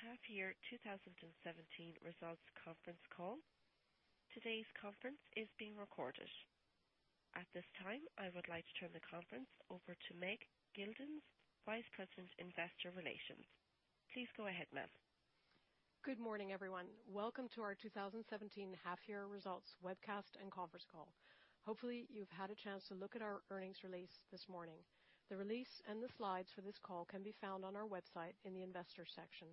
Wolters Kluwer half year 2017 results conference call. Today's conference is being recorded. At this time, I would like to turn the conference over to Meg Geldens, Vice President, Investor Relations. Please go ahead, Meg. Good morning, everyone. Welcome to our 2017 half year results webcast and conference call. Hopefully, you've had a chance to look at our earnings release this morning. The release and the slides for this call can be found on our website in the Investors section.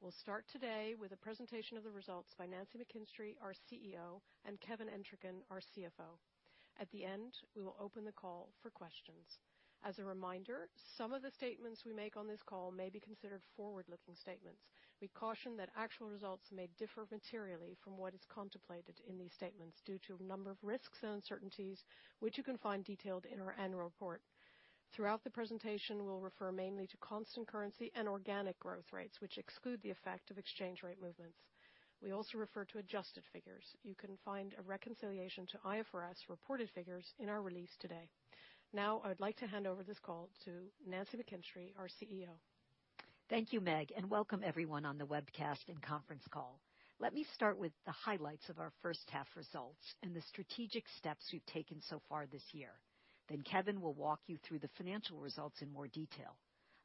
We'll start today with a presentation of the results by Nancy McKinstry, our CEO, and Kevin Entricken, our CFO. At the end, we will open the call for questions. As a reminder, some of the statements we make on this call may be considered forward-looking statements. We caution that actual results may differ materially from what is contemplated in these statements due to a number of risks and uncertainties, which you can find detailed in our annual report. Throughout the presentation, we'll refer mainly to constant currency and organic growth rates, which exclude the effect of exchange rate movements. We also refer to adjusted figures. You can find a reconciliation to IFRS reported figures in our release today. I would like to hand over this call to Nancy McKinstry, our CEO. Thank you, Meg, welcome, everyone, on the webcast and conference call. Let me start with the highlights of our first half results and the strategic steps we've taken so far this year. Kevin will walk you through the financial results in more detail.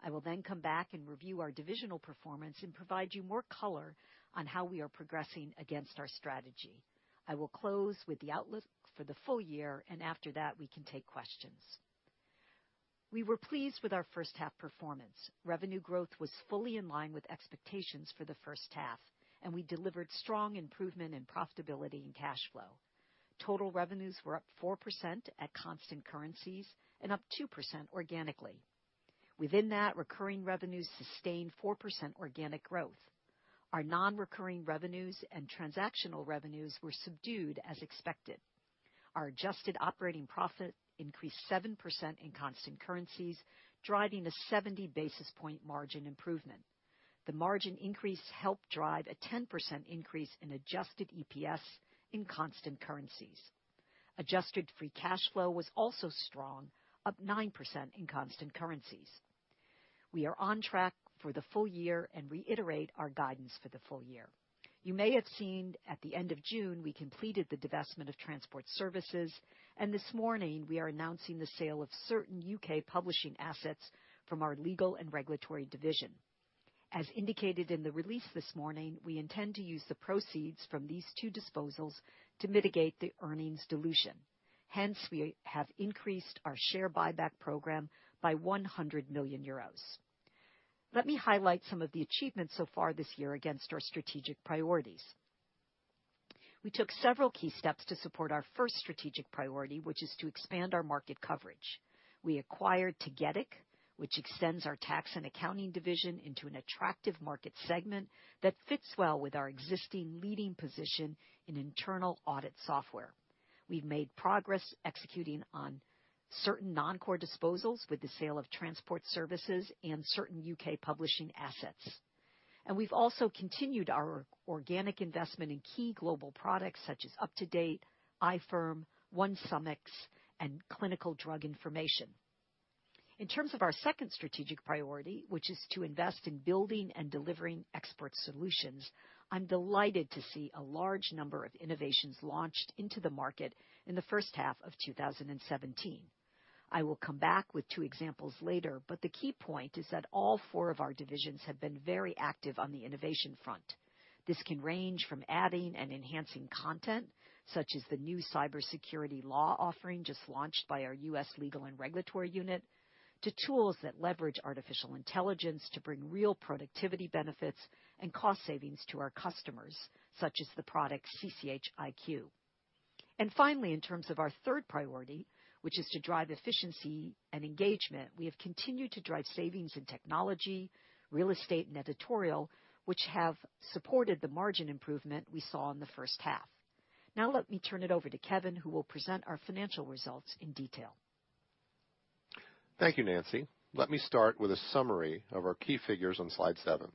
I will come back and review our divisional performance and provide you more color on how we are progressing against our strategy. I will close with the outlook for the full year, after that, we can take questions. We were pleased with our first half performance. Revenue growth was fully in line with expectations for the first half, we delivered strong improvement in profitability and cash flow. Total revenues were up 4% at constant currencies and up 2% organically. Within that, recurring revenues sustained 4% organic growth. Our non-recurring revenues and transactional revenues were subdued as expected. Our adjusted operating profit increased 7% in constant currencies, driving a 70 basis point margin improvement. The margin increase helped drive a 10% increase in adjusted EPS in constant currencies. Adjusted free cash flow was also strong, up 9% in constant currencies. We are on track for the full year and reiterate our guidance for the full year. You may have seen at the end of June, we completed the divestment of transport services, and this morning we are announcing the sale of certain U.K. publishing assets from our Legal & Regulatory division. As indicated in the release this morning, we intend to use the proceeds from these two disposals to mitigate the earnings dilution. Hence, we have increased our share buyback program by 100 million euros. Let me highlight some of the achievements so far this year against our strategic priorities. We took several key steps to support our first strategic priority, which is to expand our market coverage. We acquired CCH Tagetik, which extends our tax and accounting division into an attractive market segment that fits well with our existing leading position in internal audit software. We've made progress executing on certain non-core disposals with the sale of transport services and certain U.K. publishing assets. We've also continued our organic investment in key global products such as UpToDate, iFirm, OneSumX, and Clinical Drug Information. In terms of our second strategic priority, which is to invest in building and delivering expert solutions, I'm delighted to see a large number of innovations launched into the market in the first half of 2017. I will come back with two examples later, but the key point is that all four of our divisions have been very active on the innovation front. This can range from adding and enhancing content, such as the new cybersecurity law offering just launched by our U.S. Legal & Regulatory unit, to tools that leverage artificial intelligence to bring real productivity benefits and cost savings to our customers, such as the product CCH iQ. Finally, in terms of our third priority, which is to drive efficiency and engagement. We have continued to drive savings in technology, real estate, and editorial, which have supported the margin improvement we saw in the first half. Now let me turn it over to Kevin, who will present our financial results in detail. Thank you, Nancy. Let me start with a summary of our key figures on slide seven.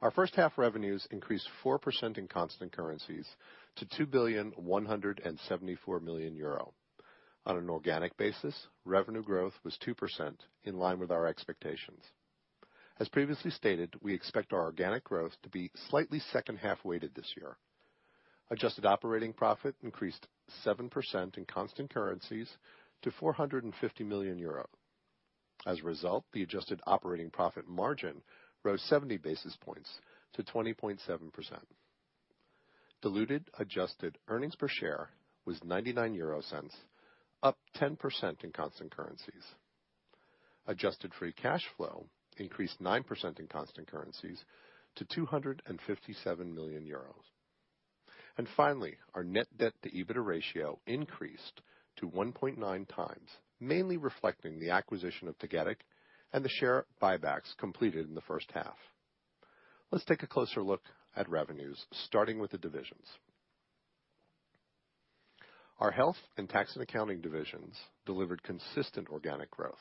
Our first half revenues increased 4% in constant currencies to 2,174,000,000 euro. On an organic basis, revenue growth was 2%, in line with our expectations. As previously stated, we expect our organic growth to be slightly second half-weighted this year. Adjusted operating profit increased 7% in constant currencies to 450 million euro. As a result, the adjusted operating profit margin rose 70 basis points to 20.7%. Diluted adjusted earnings per share was 0.99, up 10% in constant currencies. Adjusted free cash flow increased 9% in constant currencies to 257 million euros. Finally, our net debt to EBITDA ratio increased to 1.9 times, mainly reflecting the acquisition of CCH Tagetik and the share buybacks completed in the first half. Let's take a closer look at revenues, starting with the divisions. Our Health and Tax & Accounting divisions delivered consistent organic growth.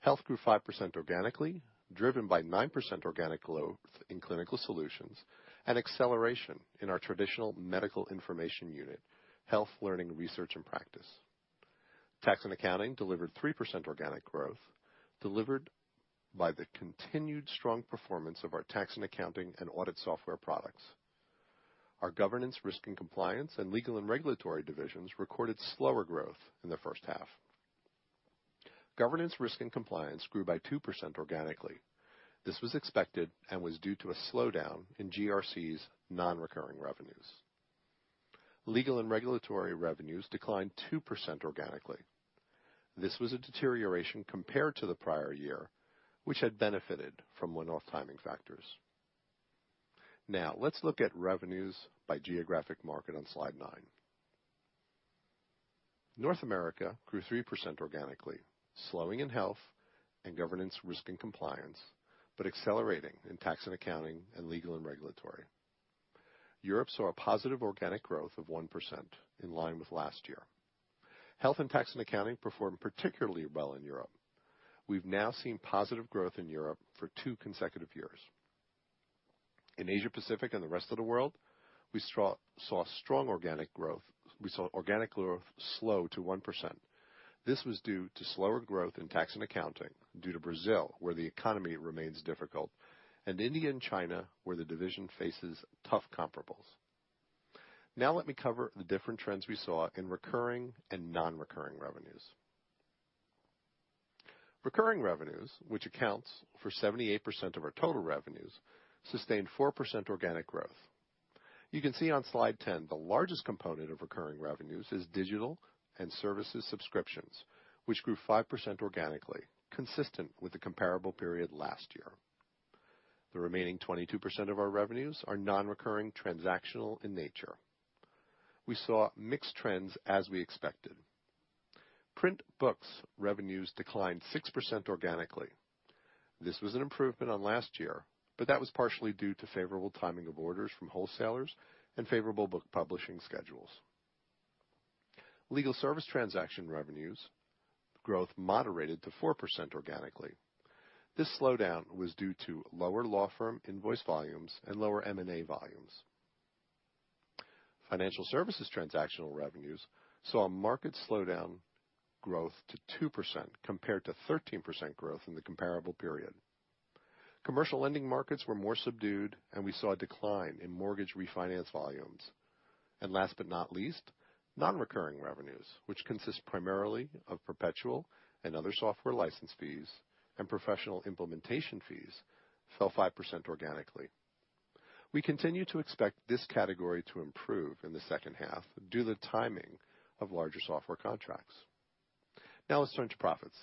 Health grew 5% organically, driven by 9% organic growth in clinical solutions and acceleration in our traditional medical information unit, Health Learning, Research & Practice. Tax & Accounting delivered 3% organic growth, delivered by the continued strong performance of our Tax & Accounting and audit software products. Our Governance, Risk & Compliance and Legal & Regulatory divisions recorded slower growth in the first half. Governance, Risk & Compliance grew by 2% organically. This was expected and was due to a slowdown in GRC's non-recurring revenues. Legal & Regulatory revenues declined 2% organically. This was a deterioration compared to the prior year, which had benefited from one-off timing factors. Let's look at revenues by geographic market on slide nine. North America grew 3% organically, slowing in Health and Governance, Risk & Compliance, but accelerating in Tax & Accounting and Legal & Regulatory. Europe saw a positive organic growth of 1%, in line with last year. Health and Tax & Accounting performed particularly well in Europe. We've now seen positive growth in Europe for two consecutive years. In Asia Pacific and the rest of the world, we saw organic growth slow to 1%. This was due to slower growth in Tax & Accounting due to Brazil, where the economy remains difficult, and India and China, where the division faces tough comparables. Let me cover the different trends we saw in recurring and non-recurring revenues. Recurring revenues, which accounts for 78% of our total revenues, sustained 4% organic growth. You can see on slide 10, the largest component of recurring revenues is digital and services subscriptions, which grew 5% organically, consistent with the comparable period last year. The remaining 22% of our revenues are non-recurring transactional in nature. We saw mixed trends as we expected. Print books revenues declined 6% organically. This was an improvement on last year, but that was partially due to favorable timing of orders from wholesalers and favorable book publishing schedules. Legal service transaction revenues growth moderated to 4% organically. This slowdown was due to lower law firm invoice volumes and lower M&A volumes. Financial services transactional revenues saw a market slowdown growth to 2% compared to 13% growth in the comparable period. Commercial lending markets were more subdued, and we saw a decline in mortgage refinance volumes. Last but not least, non-recurring revenues, which consist primarily of perpetual and other software license fees and professional implementation fees, fell 5% organically. We continue to expect this category to improve in the second half due to the timing of larger software contracts. Let's turn to profits.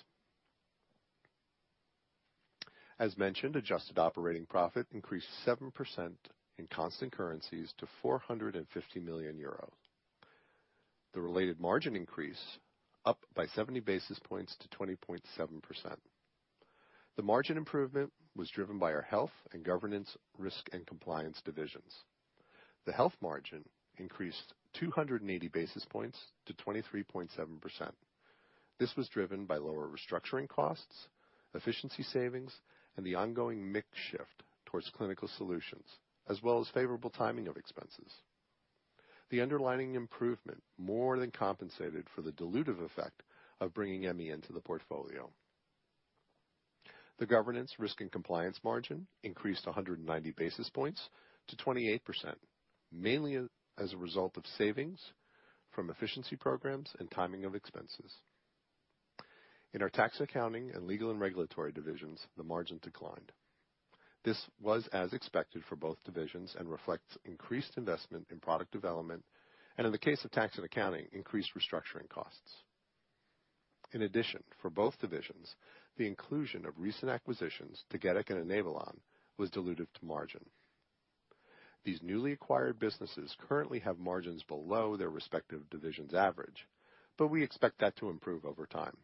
As mentioned, adjusted operating profit increased 7% in constant currencies to 450 million euros. The related margin increase up by 70 basis points to 20.7%. The margin improvement was driven by our Health and Governance, Risk & Compliance divisions. The Health margin increased 280 basis points to 23.7%. This was driven by lower restructuring costs, efficiency savings, and the ongoing mix shift towards clinical solutions, as well as favorable timing of expenses. The underlying improvement more than compensated for the dilutive effect of bringing Emmi into the portfolio. The Governance, Risk & Compliance margin increased 190 basis points to 28%, mainly as a result of savings from efficiency programs and timing of expenses. In our Tax & Accounting and Legal & Regulatory divisions, the margin declined. This was as expected for both divisions and reflects increased investment in product development and in the case of Tax & Accounting, increased restructuring costs. In addition, for both divisions, the inclusion of recent acquisitions, Cegedim and Enablon, was dilutive to margin. These newly acquired businesses currently have margins below their respective divisions' average, but we expect that to improve over time.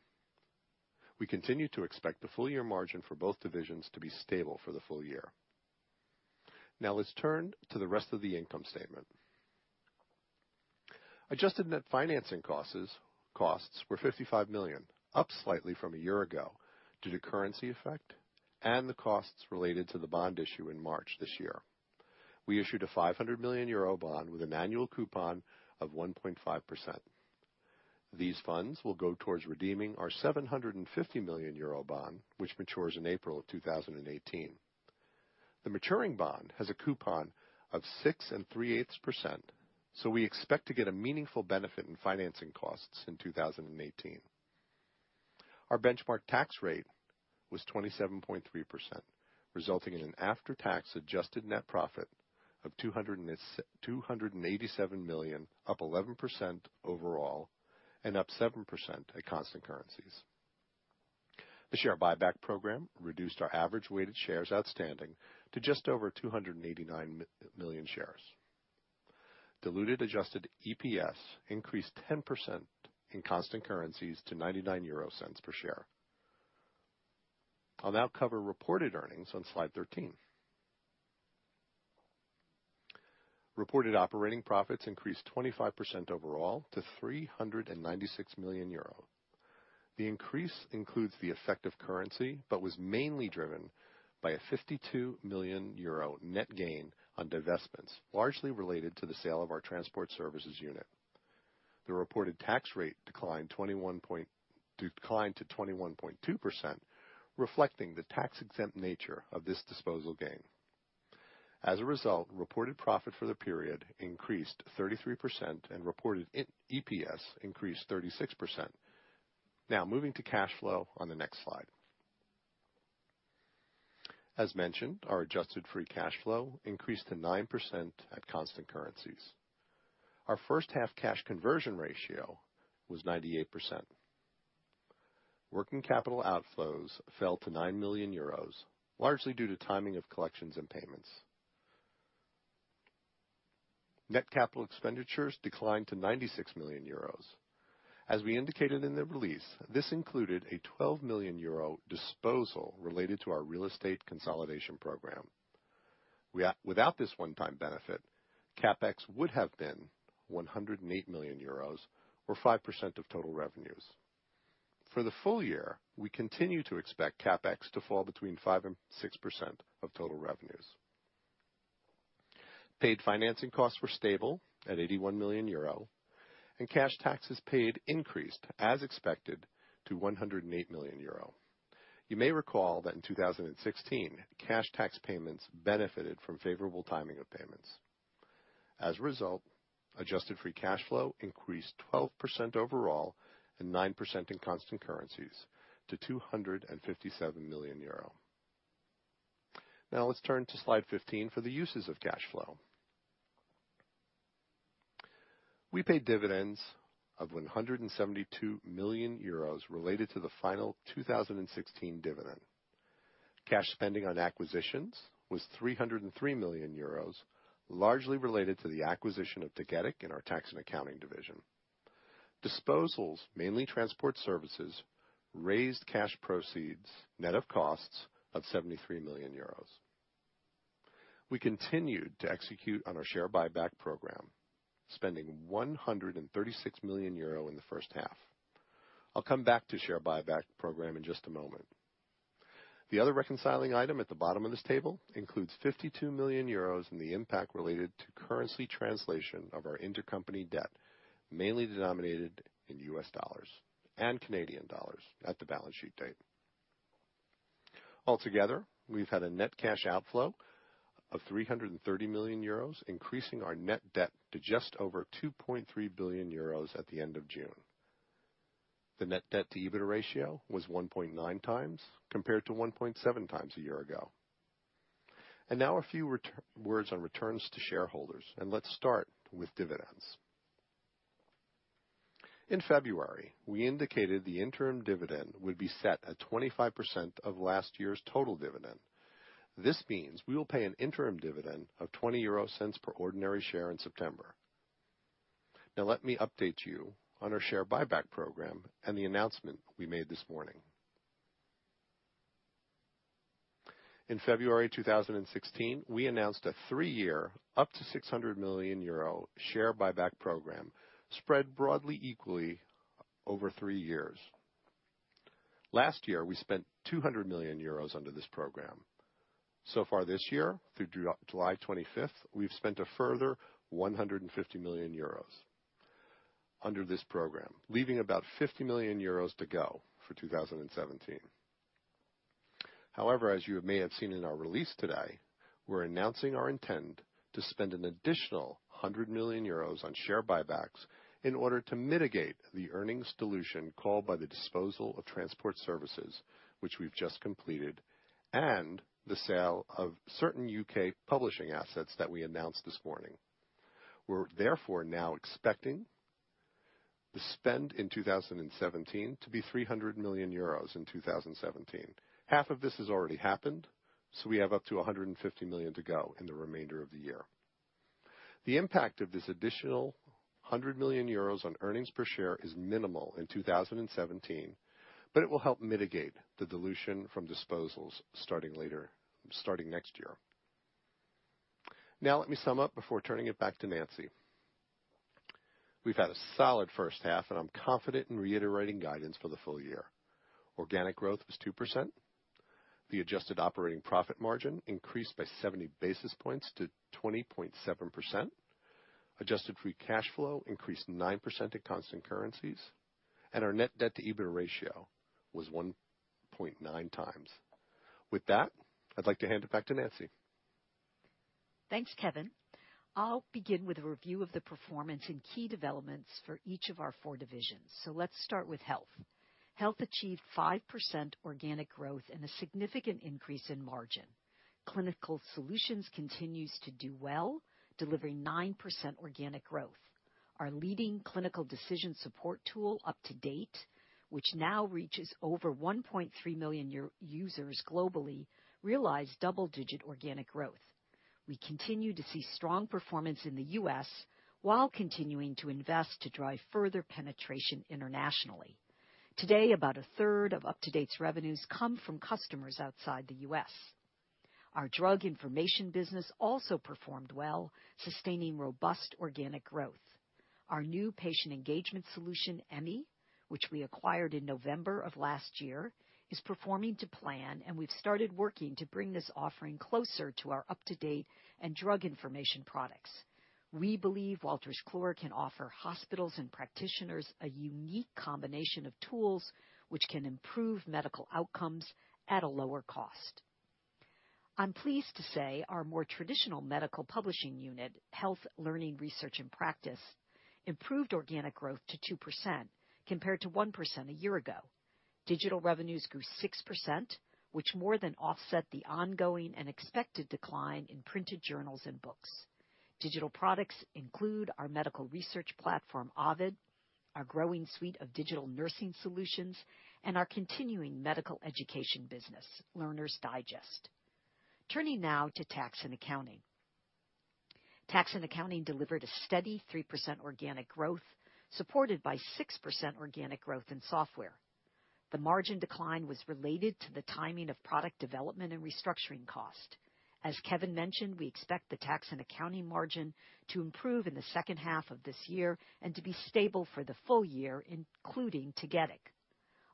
We continue to expect the full-year margin for both divisions to be stable for the full year. Let's turn to the rest of the income statement. Adjusted net financing costs were 55 million, up slightly from a year ago due to currency effect and the costs related to the bond issue in March this year. We issued a 500 million euro bond with an annual coupon of 1.5%. These funds will go towards redeeming our 750 million euro bond, which matures in April 2018. The maturing bond has a coupon of 6.375%, so we expect to get a meaningful benefit in financing costs in 2018. Our benchmark tax rate was 27.3%, resulting in an after-tax adjusted net profit of 287 million, up 11% overall and up 7% at constant currencies. The share buyback program reduced our average weighted shares outstanding to just over 289 million shares. Diluted adjusted EPS increased 10% in constant currencies to 0.99 per share. I'll now cover reported earnings on slide 13. Reported operating profits increased 25% overall to 396 million euro. The increase includes the effect of currency, but was mainly driven by a 52 million euro net gain on divestments, largely related to the sale of our transport services unit. The reported tax rate declined to 21.2%, reflecting the tax-exempt nature of this disposal gain. As a result, reported profit for the period increased 33% and reported EPS increased 36%. Moving to cash flow on the next slide. As mentioned, our adjusted free cash flow increased to 9% at constant currencies. Our first-half cash conversion ratio was 98%. Working capital outflows fell to 9 million euros, largely due to timing of collections and payments. Net capital expenditures declined to 96 million euros. As we indicated in the release, this included a 12 million euro disposal related to our real estate consolidation program. Without this one-time benefit, CapEx would have been 108 million euros or 5% of total revenues. For the full year, we continue to expect CapEx to fall between 5%-6% of total revenues. Paid financing costs were stable at 81 million euro, and cash taxes paid increased as expected to 108 million euro. You may recall that in 2016, cash tax payments benefited from favorable timing of payments. As a result, adjusted free cash flow increased 12% overall and 9% in constant currencies to 257 million euro. Let's turn to slide 15 for the uses of cash flow. We paid dividends of 172 million euros related to the final 2016 dividend. Cash spending on acquisitions was 303 million euros, largely related to the acquisition of Tagetik in our Tax & Accounting division. Disposals, mainly transport services, raised cash proceeds net of costs of 73 million euros. We continued to execute on our share buyback program, spending 136 million euro in the first half. I'll come back to share buyback program in just a moment. The other reconciling item at the bottom of this table includes 52 million euros in the impact related to currency translation of our intercompany debt, mainly denominated in US dollars and Canadian dollars at the balance sheet date. Altogether, we've had a net cash outflow of 330 million euros, increasing our net debt to just over 2.3 billion euros at the end of June. The net debt to EBITDA ratio was 1.9 times compared to 1.7 times a year ago. Now a few words on returns to shareholders, and let's start with dividends. In February, we indicated the interim dividend would be set at 25% of last year's total dividend. This means we will pay an interim dividend of 0.20 per ordinary share in September. Let me update you on our share buyback program and the announcement we made this morning. In February 2016, we announced a three-year, up to 600 million euro share buyback program spread broadly equally over three years. Last year, we spent 200 million euros under this program. So far this year, through July 25th, we've spent a further 150 million euros under this program, leaving about 50 million euros to go for 2017. However, as you may have seen in our release today, we're announcing our intent to spend an additional 100 million euros on share buybacks in order to mitigate the earnings dilution called by the disposal of transport services, which we've just completed, and the sale of certain U.K. publishing assets that we announced this morning. We're therefore now expecting the spend in 2017 to be 300 million euros in 2017. Half of this has already happened, so we have up to 150 million to go in the remainder of the year. The impact of this additional 100 million euros on earnings per share is minimal in 2017, but it will help mitigate the dilution from disposals starting next year. Let me sum up before turning it back to Nancy. We've had a solid first half, and I'm confident in reiterating guidance for the full year. Organic growth was 2%. The adjusted operating profit margin increased by 70 basis points to 20.7%. Adjusted free cash flow increased 9% at constant currencies. Our net debt to EBITDA ratio was 1.9 times. With that, I'd like to hand it back to Nancy. Thanks, Kevin. I'll begin with a review of the performance and key developments for each of our four divisions. Let's start with Health. Health achieved 5% organic growth and a significant increase in margin. Clinical Solutions continues to do well, delivering 9% organic growth. Our leading clinical decision support tool, UpToDate, which now reaches over 1.3 million users globally, realized double-digit organic growth. We continue to see strong performance in the U.S. while continuing to invest to drive further penetration internationally. Today, about a third of UpToDate's revenues come from customers outside the U.S. Our drug information business also performed well, sustaining robust organic growth. Our new patient engagement solution, Emmi, which we acquired in November of last year, is performing to plan, and we've started working to bring this offering closer to our UpToDate and drug information products. We believe Wolters Kluwer can offer hospitals and practitioners a unique combination of tools which can improve medical outcomes at a lower cost. I'm pleased to say our more traditional medical publishing unit, Health Learning, Research & Practice, improved organic growth to 2% compared to 1% a year ago. Digital revenues grew 6%, which more than offset the ongoing and expected decline in printed journals and books. Digital products include our medical research platform, Ovid, our growing suite of digital nursing solutions, and our continuing medical education business, Learner's Digest. Turning now to Tax & Accounting. Tax & Accounting delivered a steady 3% organic growth, supported by 6% organic growth in software. The margin decline was related to the timing of product development and restructuring cost. As Kevin mentioned, we expect the Tax & Accounting margin to improve in the second half of this year and to be stable for the full year, including CCH Tagetik.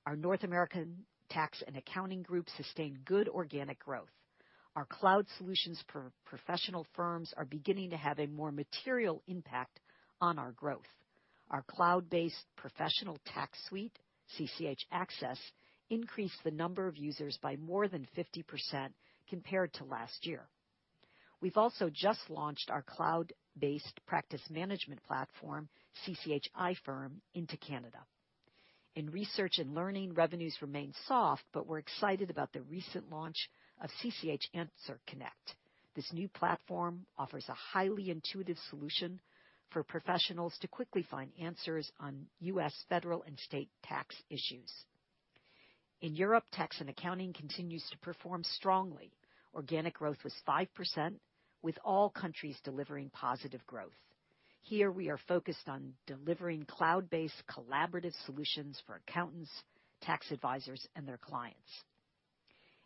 Our North American Tax & Accounting group sustained good organic growth. Our cloud solutions professional firms are beginning to have a more material impact on our growth. Our cloud-based professional tax suite, CCH Axcess, increased the number of users by more than 50% compared to last year. We've also just launched our cloud-based practice management platform, CCH iFirm, into Canada. In research and learning, revenues remain soft, but we're excited about the recent launch of CCH AnswerConnect. This new platform offers a highly intuitive solution for professionals to quickly find answers on U.S. federal and state tax issues. In Europe, Tax & Accounting continues to perform strongly. Organic growth was 5%, with all countries delivering positive growth. Here we are focused on delivering cloud-based collaborative solutions for accountants, tax advisors, and their clients.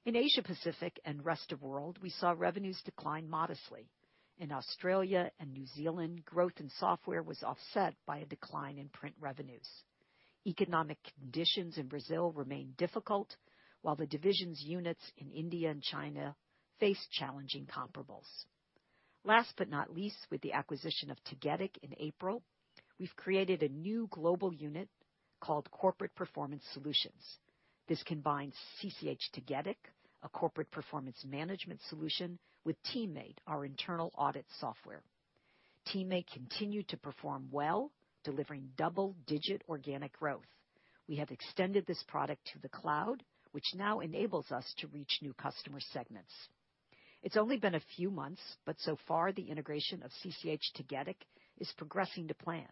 In Asia Pacific and Rest of World, we saw revenues decline modestly. In Australia and New Zealand, growth in software was offset by a decline in print revenues. Economic conditions in Brazil remain difficult, while the divisions units in India and China face challenging comparables. Last but not least, with the acquisition of CCH Tagetik in April, we've created a new global unit called Corporate Performance Solutions. This combines CCH Tagetik, a corporate performance management solution, with TeamMate, our internal audit software. TeamMate continued to perform well, delivering double-digit organic growth. We have extended this product to the cloud, which now enables us to reach new customer segments. It's only been a few months, but so far the integration of CCH Tagetik is progressing to plan.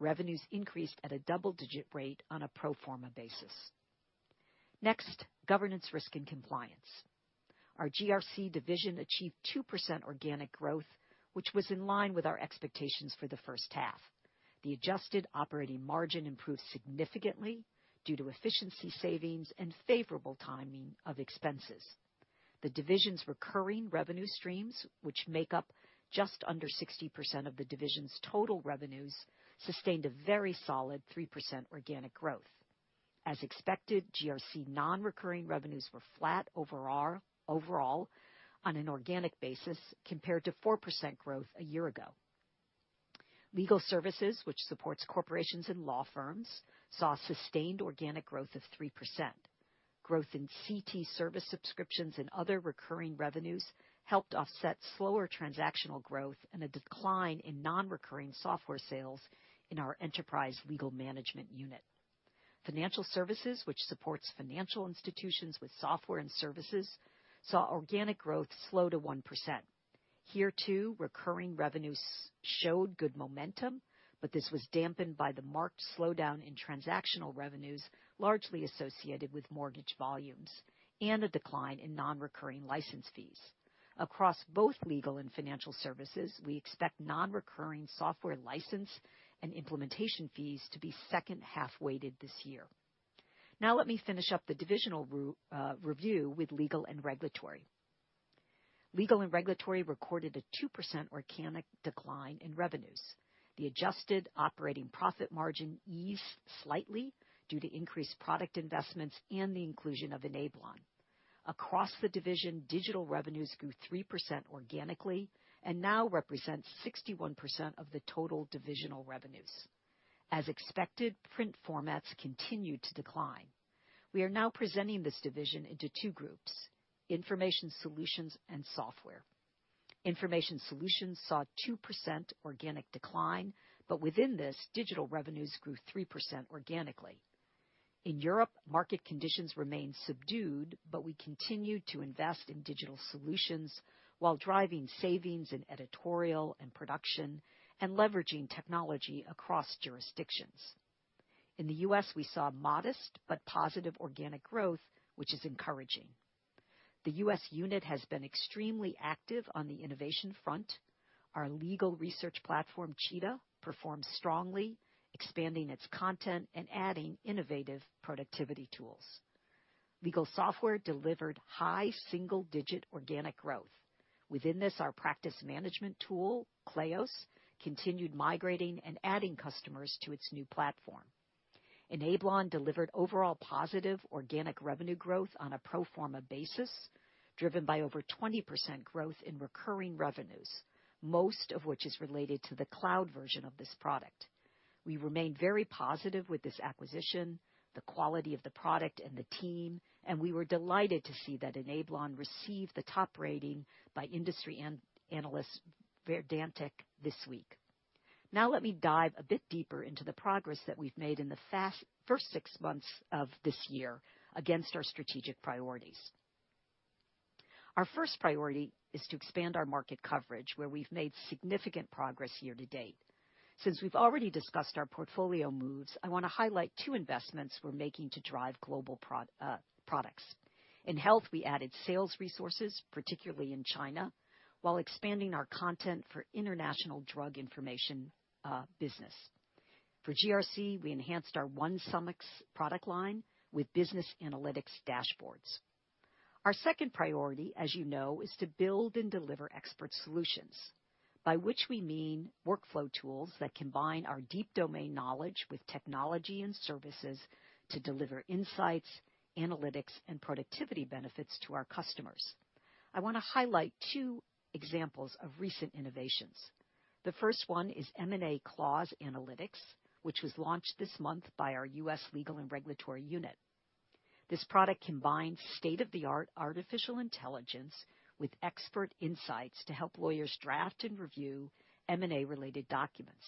Revenues increased at a double-digit rate on a pro forma basis. Next, Governance, Risk & Compliance. Our GRC division achieved 2% organic growth, which was in line with our expectations for the first half. The adjusted operating margin improved significantly due to efficiency savings and favorable timing of expenses. The division's recurring revenue streams, which make up just under 60% of the division's total revenues, sustained a very solid 3% organic growth. As expected, GRC non-recurring revenues were flat overall on an organic basis compared to 4% growth a year ago. Legal services, which supports corporations and law firms, saw sustained organic growth of 3%. Growth in CT service subscriptions and other recurring revenues helped offset slower transactional growth and a decline in non-recurring software sales in our enterprise legal management unit. Financial services, which supports financial institutions with software and services, saw organic growth slow to 1%. Here, too, recurring revenues showed good momentum, but this was dampened by the marked slowdown in transactional revenues, largely associated with mortgage volumes and a decline in non-recurring license fees. Across both legal and financial services, we expect non-recurring software license and implementation fees to be second-half weighted this year. Now let me finish up the divisional review with Legal & Regulatory. Legal and regulatory recorded a 2% organic decline in revenues. The adjusted operating profit margin eased slightly due to increased product investments and the inclusion of Enablon. Across the division, digital revenues grew 3% organically and now represent 61% of the total divisional revenues. As expected, print formats continued to decline. We are now presenting this division into two groups, information solutions and software. Information solutions saw 2% organic decline, but within this, digital revenues grew 3% organically. In Europe, market conditions remained subdued, but we continued to invest in digital solutions while driving savings in editorial and production and leveraging technology across jurisdictions. In the U.S., we saw modest but positive organic growth, which is encouraging. The U.S. unit has been extremely active on the innovation front. Our legal research platform, Cheetah, performed strongly, expanding its content and adding innovative productivity tools. Legal software delivered high single-digit organic growth. Within this, our practice management tool, Kleos, continued migrating and adding customers to its new platform. Enablon delivered overall positive organic revenue growth on a pro forma basis, driven by over 20% growth in recurring revenues, most of which is related to the cloud version of this product. We remain very positive with this acquisition, the quality of the product and the team, and we were delighted to see that Enablon received the top rating by industry analysts, Verdantix, this week. Now let me dive a bit deeper into the progress that we've made in the first six months of this year against our strategic priorities. Our first priority is to expand our market coverage, where we've made significant progress year to date. Since we've already discussed our portfolio moves, I want to highlight two investments we're making to drive global products. In health, we added sales resources, particularly in China, while expanding our content for international drug information business. For GRC, we enhanced our OneSumX product line with business analytics dashboards. Our second priority, as you know, is to build and deliver expert solutions, by which we mean workflow tools that combine our deep domain knowledge with technology and services to deliver insights, analytics, and productivity benefits to our customers. I want to highlight two examples of recent innovations. The first one is M&A Clause Analytics, which was launched this month by our U.S. Legal & Regulatory unit. This product combines state-of-the-art artificial intelligence with expert insights to help lawyers draft and review M&A-related documents.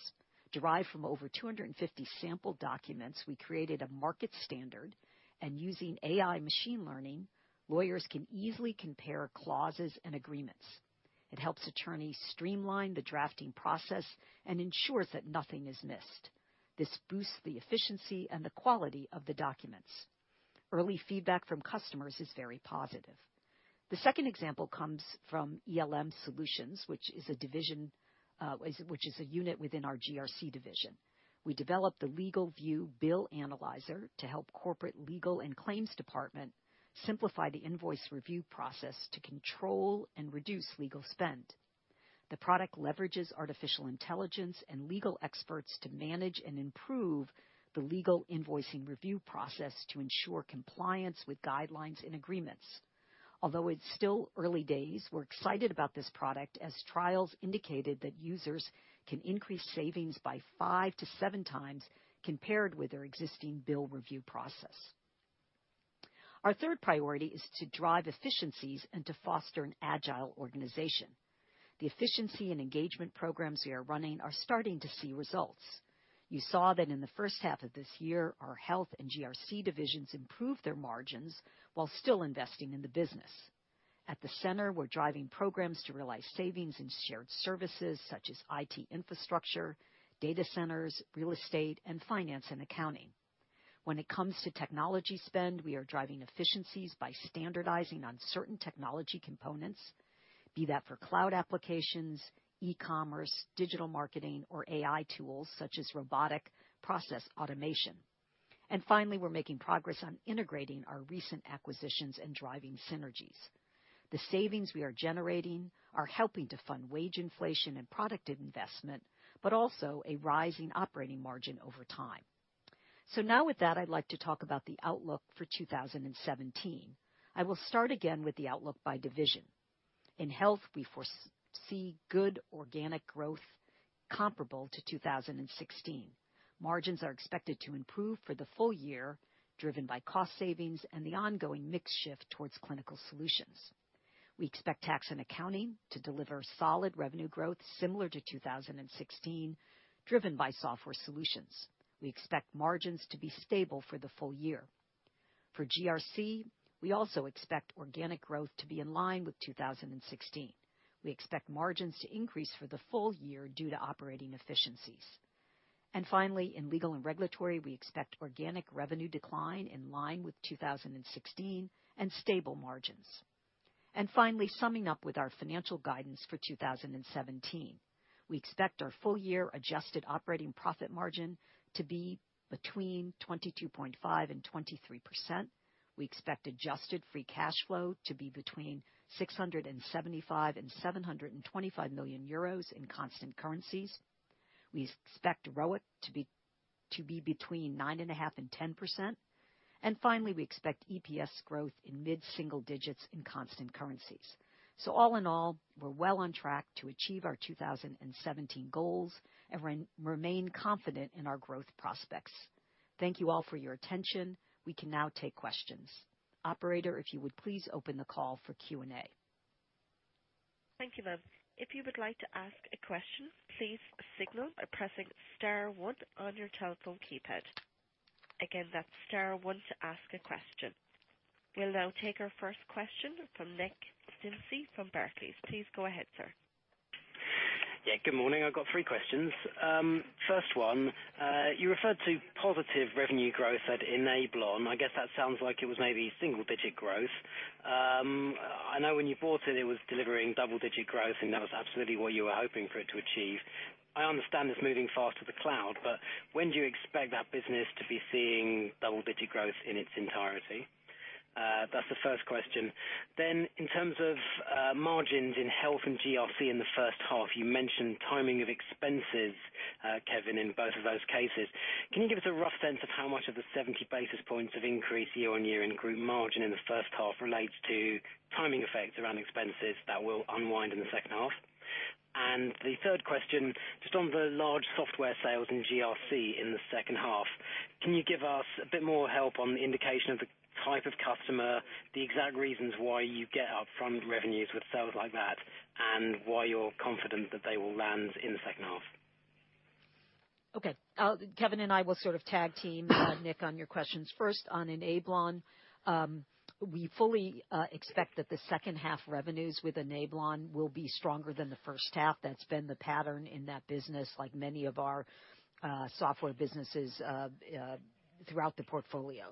Derived from over 250 sample documents, we created a market standard. Using AI machine learning, lawyers can easily compare clauses and agreements. It helps attorneys streamline the drafting process and ensures that nothing is missed. This boosts the efficiency and the quality of the documents. Early feedback from customers is very positive. The second example comes from ELM Solutions, which is a unit within our GRC division. We developed the LegalVIEW BillAnalyzer to help corporate, legal, and claims department simplify the invoice review process to control and reduce legal spend. The product leverages artificial intelligence and legal experts to manage and improve the legal invoicing review process to ensure compliance with guidelines and agreements. Although it's still early days, we're excited about this product, as trials indicated that users can increase savings by five to seven times compared with their existing bill review process. Our third priority is to drive efficiencies and to foster an agile organization. The efficiency and engagement programs we are running are starting to see results. You saw that in the first half of this year, our Health and GRC divisions improved their margins while still investing in the business. At the center, we're driving programs to realize savings in shared services such as IT infrastructure, data centers, real estate, and finance and accounting. When it comes to technology spend, we are driving efficiencies by standardizing on certain technology components, be that for cloud applications, e-commerce, digital marketing, or AI tools such as robotic process automation. Finally, we're making progress on integrating our recent acquisitions and driving synergies. The savings we are generating are helping to fund wage inflation and product investment, but also a rising operating margin over time. Now with that, I'd like to talk about the outlook for 2017. I will start again with the outlook by division. In Health, we foresee good organic growth comparable to 2016. Margins are expected to improve for the full year, driven by cost savings and the ongoing mix shift towards clinical solutions. We expect Tax and Accounting to deliver solid revenue growth similar to 2016, driven by software solutions. We expect margins to be stable for the full year. For GRC, we also expect organic growth to be in line with 2016. We expect margins to increase for the full year due to operating efficiencies. Finally, in Legal & Regulatory, we expect organic revenue decline in line with 2016 and stable margins. Finally, summing up with our financial guidance for 2017. We expect our full-year adjusted operating profit margin to be between 22.5%-23%. We expect adjusted free cash flow to be between 675 million and 725 million euros in constant currencies. We expect ROIC to be between 9.5%-10%. Finally, we expect EPS growth in mid-single digits in constant currencies. All in all, we're well on track to achieve our 2017 goals and remain confident in our growth prospects. Thank you all for your attention. We can now take questions. Operator, if you would please open the call for Q&A. Thank you, ma'am. If you would like to ask a question, please signal by pressing star one on your telephone keypad. Again, that's star one to ask a question. We will now take our first question from Nick Dempsey from Barclays. Please go ahead, sir. Yeah. Good morning. I have got three questions. First one, you referred to positive revenue growth at Enablon. I guess that sounds like it was maybe single-digit growth. I know when you bought it was delivering double-digit growth, that was absolutely what you were hoping for it to achieve. I understand it is moving fast to the cloud, but when do you expect that business to be seeing double-digit growth in its entirety? That is the first question. In terms of margins in health and GRC in the first half, you mentioned timing of expenses, Kevin, in both of those cases. Can you give us a rough sense of how much of the 70 basis points of increase year-on-year in group margin in the first half relates to timing effects around expenses that will unwind in the second half? The third question, just on the large software sales in GRC in the second half, can you give us a bit more help on the indication of the type of customer, the exact reasons why you get upfront revenues with sales like that, and why you are confident that they will land in the second half? Kevin and I will sort of tag team, Nick, on your questions. First, on Enablon, we fully expect that the second half revenues with Enablon will be stronger than the first half. That's been the pattern in that business, like many of our software businesses throughout the portfolio.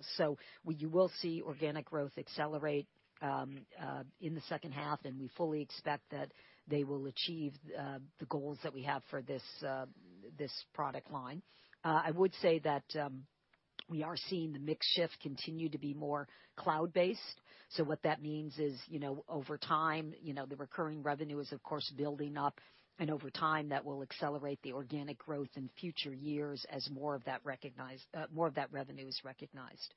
You will see organic growth accelerate in the second half, and we fully expect that they will achieve the goals that we have for this product line. I would say that we are seeing the mix shift continue to be more cloud-based. What that means is, over time, the recurring revenue is, of course, building up, and over time, that will accelerate the organic growth in future years as more of that revenue is recognized.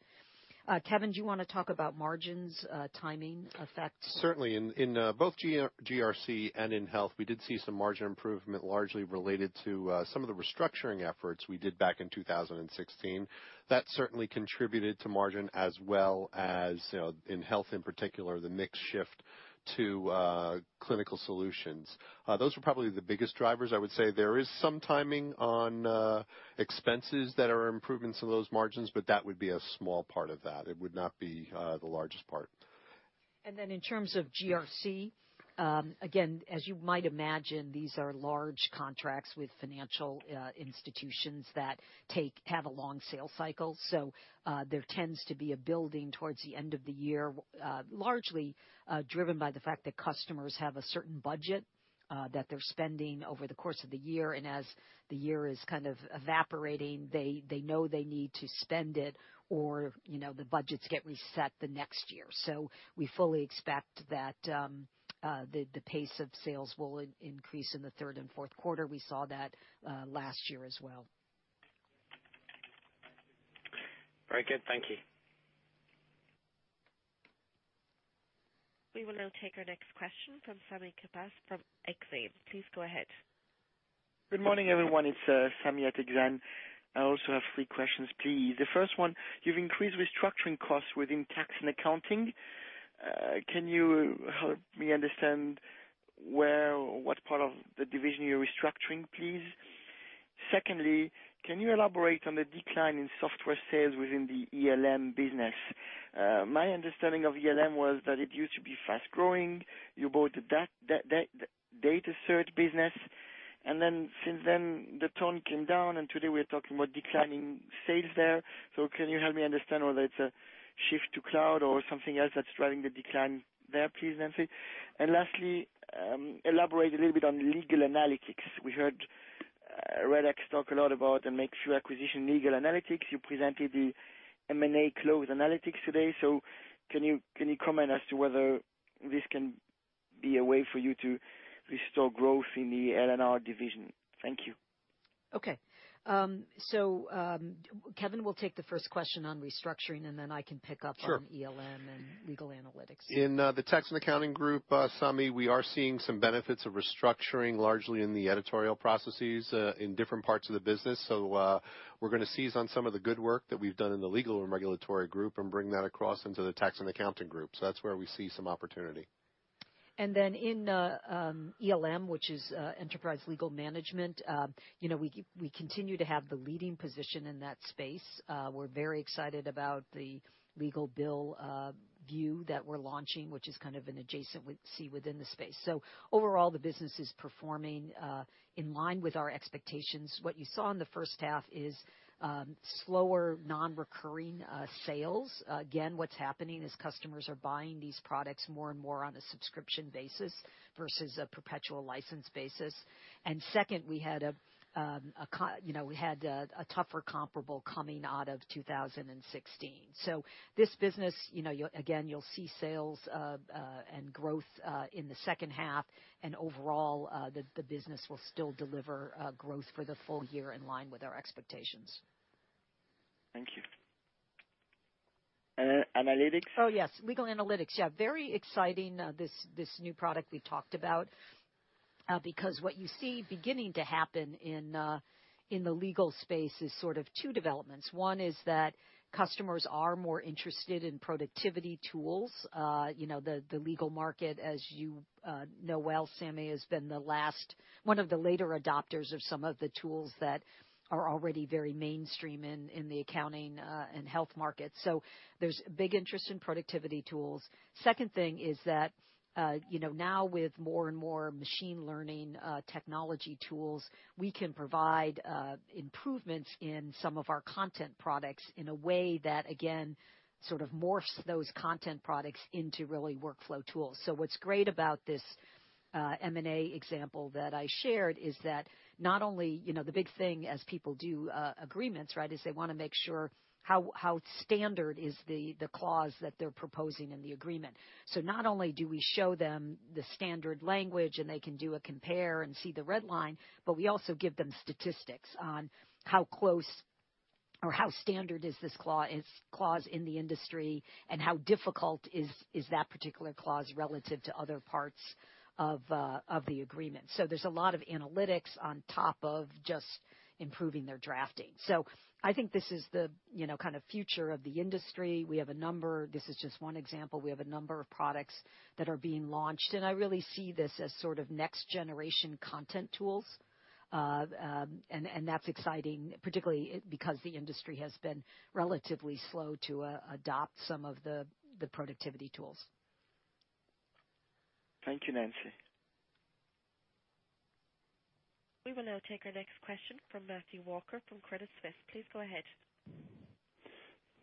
Kevin, do you want to talk about margins, timing effects? Certainly. In both GRC and in health, we did see some margin improvement, largely related to some of the restructuring efforts we did back in 2016. That certainly contributed to margin as well as, in health in particular, the mix shift to clinical solutions. Those were probably the biggest drivers, I would say. There is some timing on expenses that are improving some of those margins, but that would be a small part of that. It would not be the largest part. In terms of GRC, again, as you might imagine, these are large contracts with financial institutions that have a long sales cycle. There tends to be a building towards the end of the year, largely driven by the fact that customers have a certain budget that they're spending over the course of the year. As the year is kind of evaporating, they know they need to spend it, or the budgets get reset the next year. We fully expect that the pace of sales will increase in the third and fourth quarter. We saw that last year as well. Very good. Thank you. We will now take our next question from Sami Kassab from Exane. Please go ahead. Good morning, everyone. It's Sami at Exane. I also have three questions, please. The first one, you've increased restructuring costs within tax and accounting. Can you help me understand what part of the division you're restructuring, please? Can you elaborate on the decline in software sales within the ELM business? My understanding of ELM was that it used to be fast-growing. You bought the DataCert business, and then since then, the tone came down, and today we're talking about declining sales there. Can you help me understand whether it's a shift to cloud or something else that's driving the decline there, please, Nancy McKinstry? Lastly, elaborate a little bit on legal analytics. We heard RELX talk a lot about the [Lex Machina] acquisition legal analytics. You presented the M&A Clause Analytics today. Can you comment as to whether this can be a way for you to restore growth in the L&R division? Thank you. Okay. Kevin will take the first question on restructuring, I can pick up- Sure on ELM and legal analytics. In the Tax & Accounting group, Sami, we are seeing some benefits of restructuring, largely in the editorial processes in different parts of the business. We're going to seize on some of the good work that we've done in the Legal & Regulatory group and bring that across into the Tax & Accounting group. That's where we see some opportunity. In ELM, which is Enterprise Legal Management, we continue to have the leading position in that space. We're very excited about the LegalVIEW BillAnalyzer that we're launching, which is kind of an adjacent we see within the space. Overall, the business is performing in line with our expectations. What you saw in the first half is slower non-recurring sales. Again, what's happening is customers are buying these products more and more on a subscription basis versus a perpetual license basis. Second, we had a tougher comparable coming out of 2016. This business, again, you'll see sales and growth in the second half, and overall, the business will still deliver growth for the full year in line with our expectations. Thank you. Analytics? Yes. Legal analytics. Very exciting, this new product we've talked about, because what you see beginning to happen in the legal space is sort of two developments. One is that customers are more interested in productivity tools. The legal market, as you know well, Sami, has been one of the later adopters of some of the tools that are already very mainstream in the accounting and health markets. There's big interest in productivity tools. Second thing is that, now with more and more machine learning technology tools, we can provide improvements in some of our content products in a way that, again, sort of morphs those content products into really workflow tools. What's great about this M&A example that I shared is that not only, the big thing as people do agreements, right, is they want to make sure how standard is the clause that they're proposing in the agreement. Not only do we show them the standard language, and they can do a compare and see the red line, but we also give them statistics on how close or how standard is this clause in the industry, and how difficult is that particular clause relative to other parts of the agreement? There's a lot of analytics on top of just improving their drafting. I think this is the kind of future of the industry. This is just one example. We have a number of products that are being launched, and I really see this as sort of next-generation content tools. That's exciting, particularly because the industry has been relatively slow to adopt some of the productivity tools. Thank you, Nancy. We will now take our next question from Matthew Walker, from Credit Suisse. Please go ahead.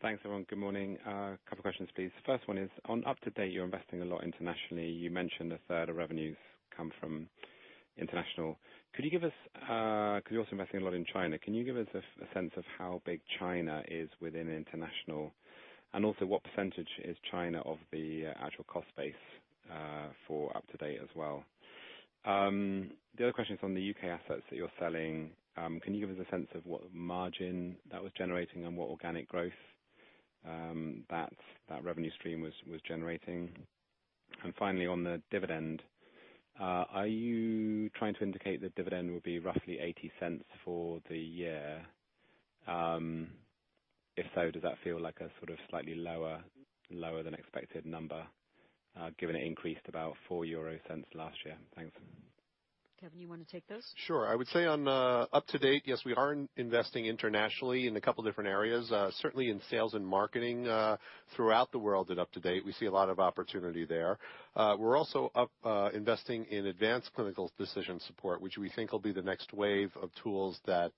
Thanks, everyone. Good morning. A couple of questions, please. First one is, on UpToDate, you're investing a lot internationally. You mentioned a third of revenues come from international. Because you're also investing a lot in China, can you give us a sense of how big China is within the international? And also, what percentage is China of the actual cost base for UpToDate as well? The other question is on the U.K. assets that you're selling. Can you give us a sense of what margin that was generating and what organic growth that revenue stream was generating? And finally, on the dividend, are you trying to indicate that dividend will be roughly 0.80 for the year? If so, does that feel like a sort of slightly lower than expected number, given it increased about 0.04 last year? Thanks. Kevin, you want to take those? Sure. I would say on UpToDate, yes, we are investing internationally in a couple of different areas. Certainly in sales and marketing throughout the world at UpToDate, we see a lot of opportunity there. We're also investing in advanced clinical decision support, which we think will be the next wave of tools that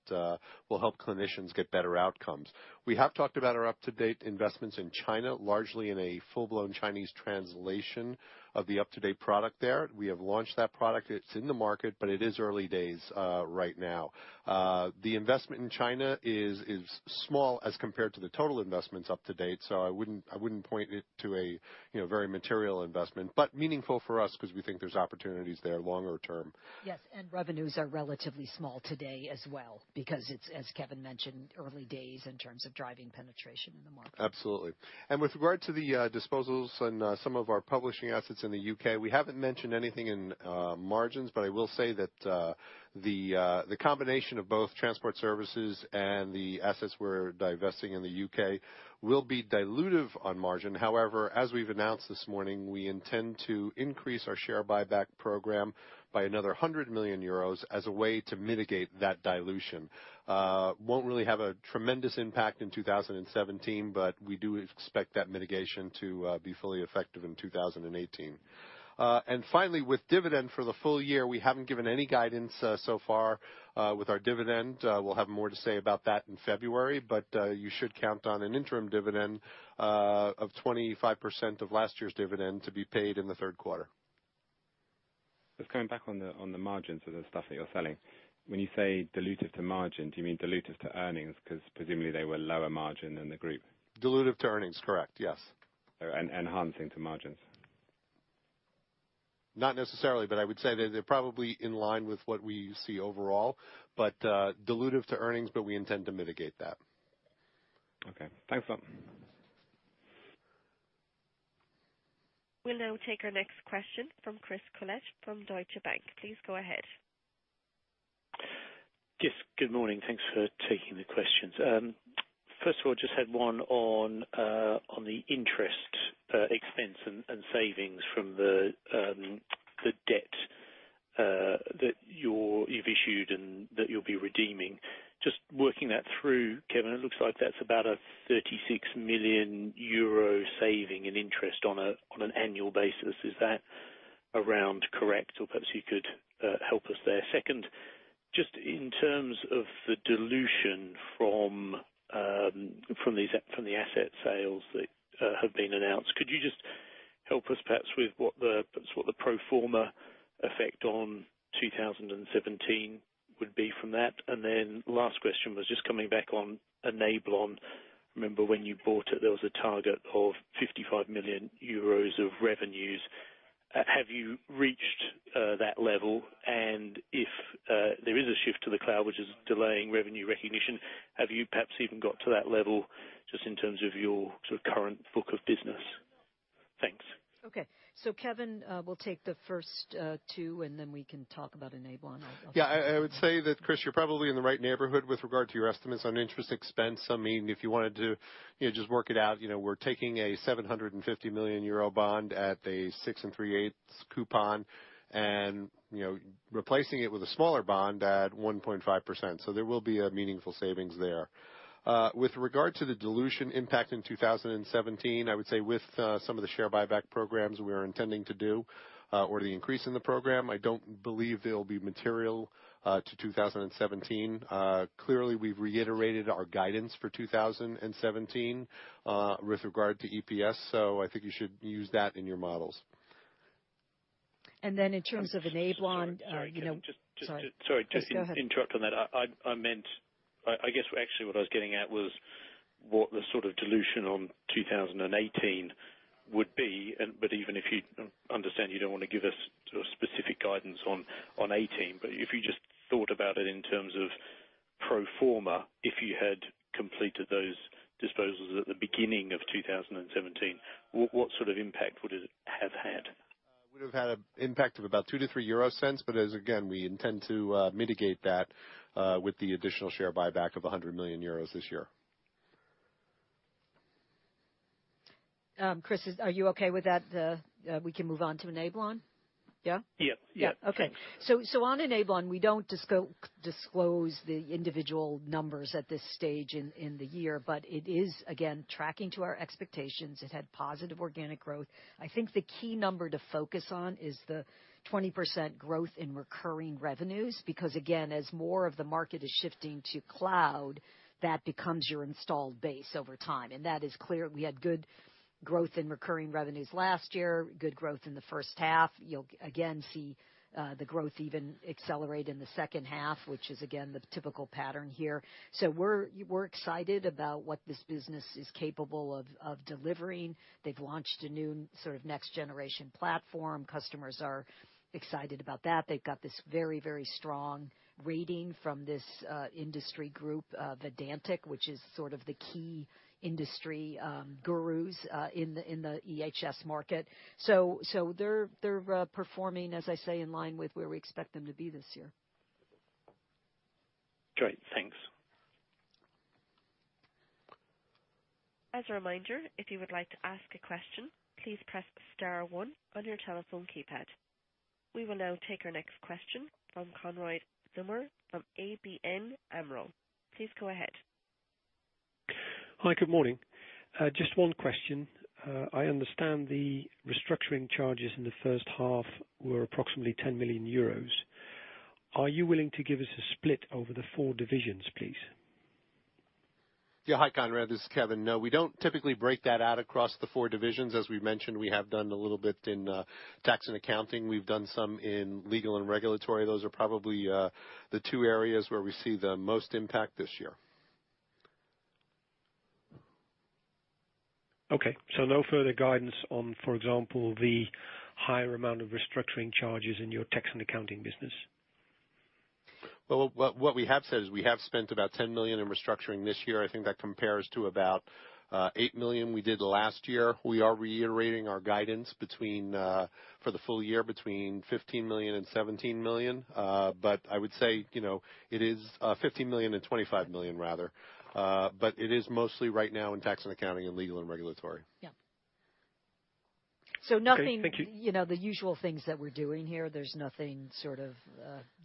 will help clinicians get better outcomes. We have talked about our UpToDate investments in China, largely in a full-blown Chinese translation of the UpToDate product there. We have launched that product. It's in the market, but it is early days right now. The investment in China is small as compared to the total investments UpToDate, so I wouldn't point it to a very material investment. But meaningful for us because we think there's opportunities there longer term. Yes, revenues are relatively small today as well because it's, as Kevin mentioned, early days in terms of driving penetration in the market. Absolutely. With regard to the disposals on some of our publishing assets in the U.K., we haven't mentioned anything in margins, but I will say that the combination of both transport services and the assets we're divesting in the U.K. will be dilutive on margin. However, as we've announced this morning, we intend to increase our share buyback program by another 100 million euros as a way to mitigate that dilution. Won't really have a tremendous impact in 2017, but we do expect that mitigation to be fully effective in 2018. Finally, with dividend for the full year, we haven't given any guidance so far with our dividend. We'll have more to say about that in February, but you should count on an interim dividend of 25% of last year's dividend to be paid in the third quarter. Just coming back on the margins of the stuff that you're selling. When you say dilutive to margin, do you mean dilutive to earnings? Because presumably they were lower margin than the group. Dilutive to earnings. Correct. Yes. enhancing to margins. Not necessarily, I would say that they're probably in line with what we see overall. Dilutive to earnings, we intend to mitigate that. Okay. Thanks a lot. We'll now take our next question from Chris Collett from Deutsche Bank. Please go ahead. Yes, good morning. Thanks for taking the questions. First of all, just had one on the interest expense and savings from the debt that you've issued and that you'll be redeeming. Just working that through, Kevin, it looks like that's about a 36 million euro saving in interest on an annual basis. Is that around correct? Perhaps you could help us there. Second, just in terms of the dilution from the asset sales that have been announced, could you just help us perhaps with what the pro forma effect on 2017 would be from that? Last question was just coming back on Enablon. Remember when you bought it, there was a target of 55 million euros of revenues. Have you reached that level? If there is a shift to the cloud, which is delaying revenue recognition, have you perhaps even got to that level just in terms of your sort of current book of business? Thanks. Okay. Kevin will take the first two, and then we can talk about Enablon also. Yeah, I would say that, Chris, you're probably in the right neighborhood with regard to your estimates on interest expense. I mean, if you wanted to just work it out, we're taking a 750 million euro bond at a six and three-eighths coupon and replacing it with a smaller bond at 1.5%. There will be a meaningful savings there. With regard to the dilution impact in 2017, I would say with some of the share buyback programs we are intending to do, or the increase in the program, I don't believe they'll be material to 2017. Clearly, we've reiterated our guidance for 2017 with regard to EPS, so I think you should use that in your models. In terms of Enablon Sorry, can I just Sorry. Please go ahead. Sorry to interrupt on that. I guess actually what I was getting at was what the sort of dilution on 2018 would be, but even if you understand, you don't want to give us specific guidance on 2018. If you just thought about it in terms of pro forma, if you had completed those disposals at the beginning of 2017, what sort of impact would it have had? Would have had an impact of about 0.02-0.03 euro, as again, we intend to mitigate that with the additional share buyback of 100 million euros this year. Chris, are you okay with that? We can move on to Enablon? Yeah. Yeah. Okay. On Enablon, we don't disclose the individual numbers at this stage in the year, but it is, again, tracking to our expectations. It had positive organic growth. I think the key number to focus on is the 20% growth in recurring revenues, again, as more of the market is shifting to cloud, that becomes your installed base over time. That is clear. We had good growth in recurring revenues last year, good growth in the first half. You'll again see the growth even accelerate in the second half, which is, again, the typical pattern here. We're excited about what this business is capable of delivering. They've launched a new next-generation platform. Customers are excited about that. They've got this very, very strong rating from this industry group, Verdantix, which is sort of the key industry gurus in the EHS market. They're performing, as I say, in line with where we expect them to be this year. Great, thanks. As a reminder, if you would like to ask a question, please press *1 on your telephone keypad. We will now take our next question from Konrad Zomer from ABN AMRO. Please go ahead. Hi, good morning. Just one question. I understand the restructuring charges in the first half were approximately 10 million euros. Are you willing to give us a split over the four divisions, please? Yeah. Hi, Konrad, this is Kevin. No, we don't typically break that out across the four divisions. As we mentioned, we have done a little bit in tax and accounting. We've done some in Legal & Regulatory. Those are probably the two areas where we see the most impact this year. Okay. No further guidance on, for example, the higher amount of restructuring charges in your tax and accounting business? Well, what we have said is we have spent about 10 million in restructuring this year. I think that compares to about 8 million we did last year. We are reiterating our guidance for the full year between 15 million and 17 million. I would say, it is 15 million and 25 million rather. It is mostly right now in tax and accounting and legal and regulatory. Yeah. Nothing- Okay, thank you. The usual things that we're doing here, there's nothing sort of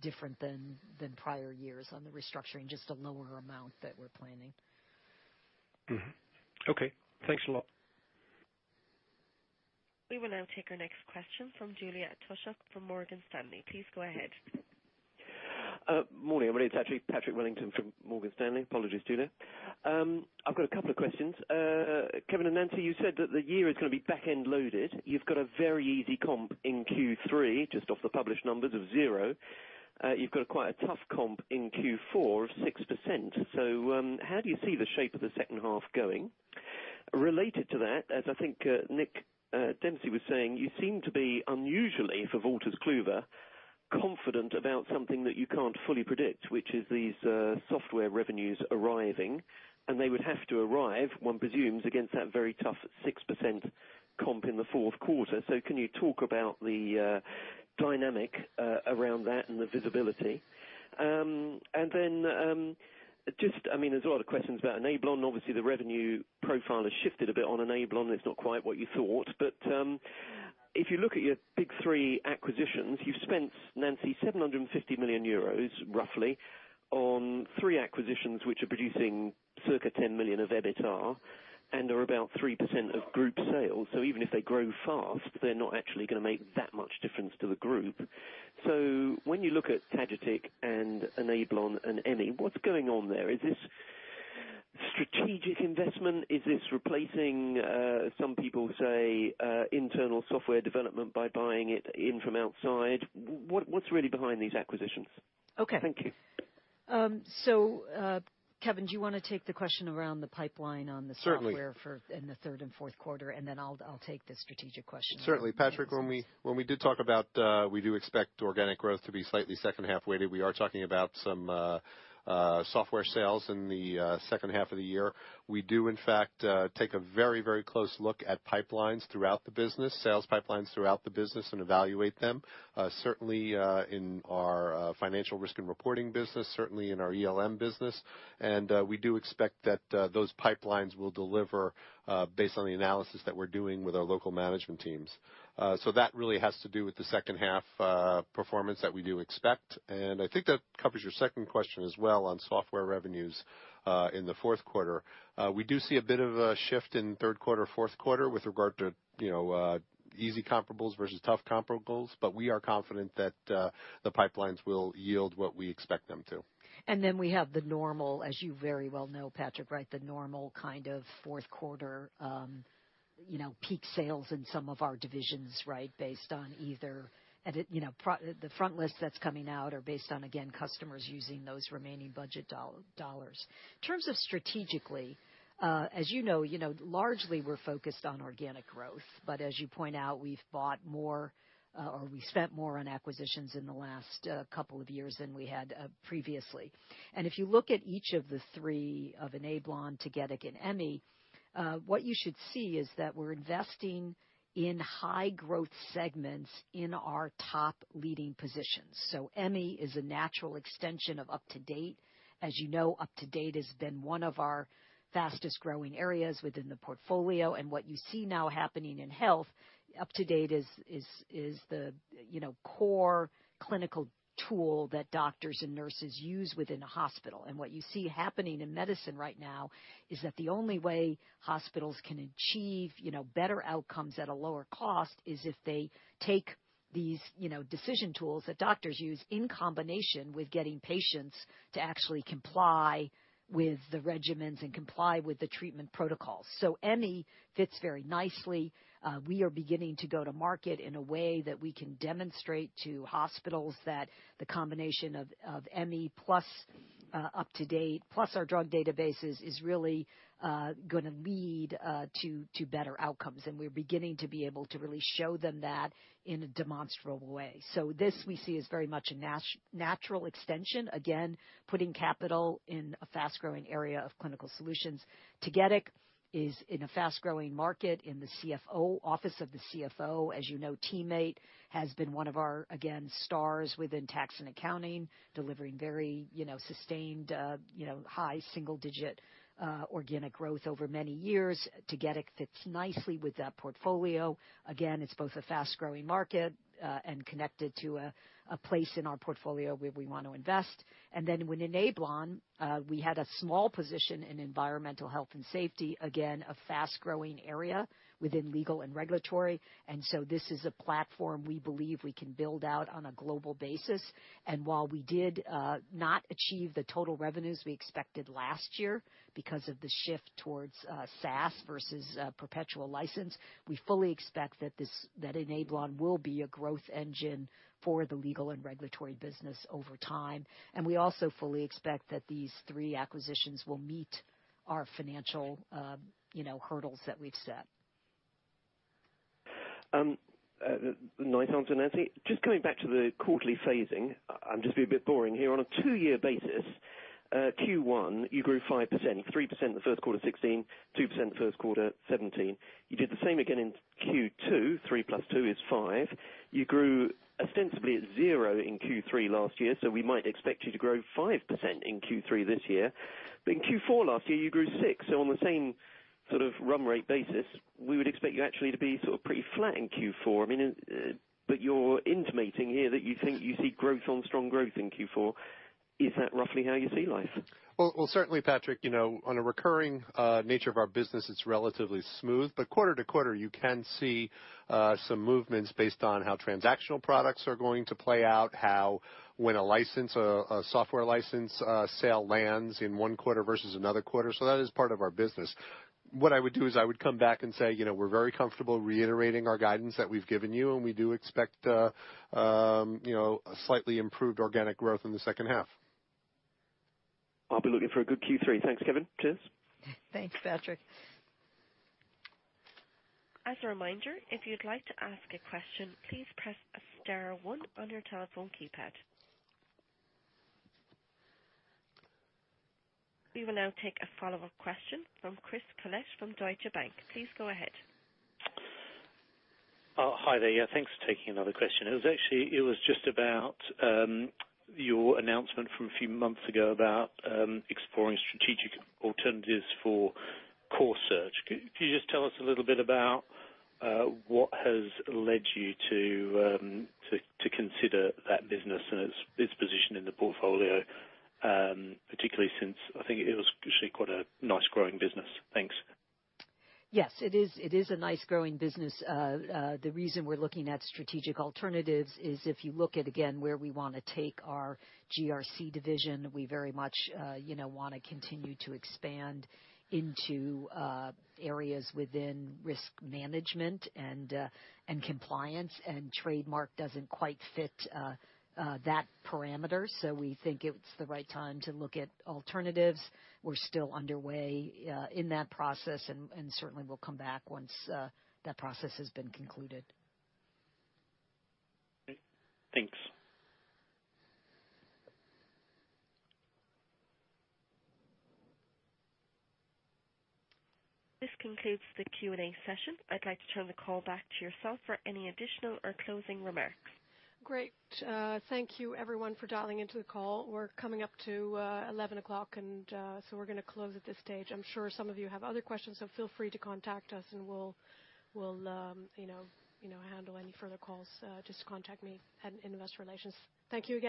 different than prior years on the restructuring, just a lower amount that we're planning. Mm-hmm. Okay. Thanks a lot. We will now take our next question from Julia Tulloch from Morgan Stanley. Please go ahead. Morning, everybody. It's actually Patrick Wellington from Morgan Stanley. Apologies, Julia. I've got a couple of questions. Kevin and Nancy, you said that the year is going to be back-end loaded. You've got a very easy comp in Q3, just off the published numbers of 0. You've got quite a tough comp in Q4 of 6%. How do you see the shape of the second half going? Related to that, as I think Nick Dempsey was saying, you seem to be unusually, for Wolters Kluwer, confident about something that you can't fully predict, which is these software revenues arriving, and they would have to arrive, one presumes, against that very tough 6% comp in the fourth quarter. Can you talk about the dynamic around that and the visibility? There's a lot of questions about Enablon. The revenue profile has shifted a bit on Enablon, and it's not quite what you thought. If you look at your big three acquisitions, you've spent, Nancy, 750 million euros roughly, on three acquisitions, which are producing circa 10 million of EBITDA and are about 3% of group sales. Even if they grow fast, they're not actually going to make that much difference to the group. When you look at Tagetik and Enablon and Emmi, what's going on there? Is this strategic investment? Is this replacing, some people say, internal software development by buying it in from outside? What's really behind these acquisitions? Okay. Thank you. Kevin, do you want to take the question around the pipeline on the software Certainly in the third and fourth quarter, then I'll take the strategic question. Certainly. Patrick, when we did talk about we do expect organic growth to be slightly second half-weighted, we are talking about some software sales in the second half of the year. We do, in fact, take a very close look at pipelines throughout the business, sales pipelines throughout the business, and evaluate them. Certainly, in our financial risk and reporting business, certainly in our ELM business. We do expect that those pipelines will deliver based on the analysis that we're doing with our local management teams. That really has to do with the second half performance that we do expect. I think that covers your second question as well on software revenues in the fourth quarter. We do see a bit of a shift in third quarter, fourth quarter with regard to easy comparables versus tough comparables. We are confident that the pipelines will yield what we expect them to. We have the normal, as you very well know, Patrick, the normal kind of fourth quarter peak sales in some of our divisions based on either the front list that's coming out or based on, again, customers using those remaining budget dollars. In terms of strategically, as you know, largely, we're focused on organic growth. As you point out, we've bought more, or we spent more on acquisitions in the last couple of years than we had previously. If you look at each of the three, of Enablon, Tagetik, and Emmi, what you should see is that we're investing in high-growth segments in our top leading positions. Emmi is a natural extension of UpToDate. As you know, UpToDate has been one of our fastest-growing areas within the portfolio. What you see now happening in health, UpToDate is the core clinical tool that doctors and nurses use within a hospital. What you see happening in medicine right now is that the only way hospitals can achieve better outcomes at a lower cost is if they take these decision tools that doctors use in combination with getting patients to actually comply with the regimens and comply with the treatment protocols. Emmi fits very nicely. We are beginning to go to market in a way that we can demonstrate to hospitals that the combination of Emmi plus UpToDate, plus our drug databases, is really going to lead to better outcomes. We're beginning to be able to really show them that in a demonstrable way. This we see as very much a natural extension, again, putting capital in a fast-growing area of clinical solutions. Tagetik is in a fast-growing market in the office of the CFO. As you know, TeamMate has been one of our, again, stars within Tax & Accounting, delivering very sustained high single-digit organic growth over many years. Tagetik fits nicely with that portfolio. Again, it's both a fast-growing market and connected to a place in our portfolio where we want to invest. Then with Enablon, we had a small position in environmental health and safety, again, a fast-growing area within Legal & Regulatory. This is a platform we believe we can build out on a global basis. While we did not achieve the total revenues we expected last year because of the shift towards SaaS versus perpetual license, we fully expect that Enablon will be a growth engine for the Legal & Regulatory business over time. We also fully expect that these three acquisitions will meet our financial hurdles that we've set. Nice answer, Nancy. Just coming back to the quarterly phasing, I'm just being a bit boring here. On a two-year basis, Q1, you grew 5%, 3% in the first quarter of 2016, 2% first quarter 2017. You did the same again in Q2, three plus two is five. You grew ostensibly at zero in Q3 last year, so we might expect you to grow 5% in Q3 this year. In Q4 last year, you grew six. On the same sort of run rate basis, we would expect you actually to be sort of pretty flat in Q4. But you're intimating here that you think you see growth on strong growth in Q4. Is that roughly how you see life? Well, certainly, Patrick, on a recurring nature of our business, it's relatively smooth. Quarter-to-quarter, you can see some movements based on how transactional products are going to play out, how when a software license sale lands in one quarter versus another quarter. That is part of our business. What I would do is I would come back and say, we're very comfortable reiterating our guidance that we've given you, and we do expect a slightly improved organic growth in the second half. I'll be looking for a good Q3. Thanks, Kevin. Cheers. Thanks, Patrick. As a reminder, if you'd like to ask a question, please press star 1 on your telephone keypad. We will now take a follow-up question from Chris Collett from Deutsche Bank. Please go ahead. Hi there. Thanks for taking another question. It was just about your announcement from a few months ago about exploring strategic alternatives for Corsearch. Could you just tell us a little bit about what has led you to consider that business and its position in the portfolio, particularly since I think it was actually quite a nice growing business? Thanks. Yes, it is a nice growing business. The reason we're looking at strategic alternatives is if you look at, again, where we want to take our GRC division, we very much want to continue to expand into areas within risk management and compliance, and trademark doesn't quite fit that parameter. We think it's the right time to look at alternatives. We're still underway in that process, and certainly, we'll come back once that process has been concluded. Thanks. This concludes the Q&A session. I'd like to turn the call back to yourself for any additional or closing remarks. Great. Thank you everyone for dialing into the call. We're coming up to 11 o'clock, and so we're going to close at this stage. I'm sure some of you have other questions, so feel free to contact us and we'll handle any further calls. Just contact me at Investor Relations. Thank you again